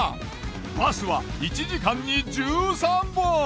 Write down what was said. バスは１時間に１３本。